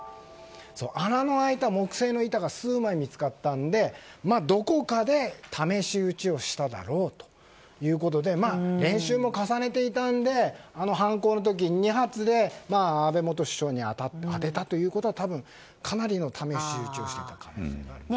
穴の開いた木製の板が数枚見つかったんでどこかで試し撃ちをしただろうということで練習も重ねていたので犯行の時、２発で安倍元首相に当てたということは多分、かなりの試し撃ちをしていた可能性があると。